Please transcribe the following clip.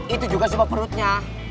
itu juga sebab perutnya